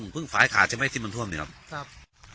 อ๋อเพิ่งฝายขาดจะไม่ที่มันท่วมดีครับ